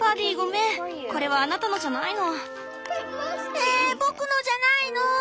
「ええ僕のじゃないのぉ？」。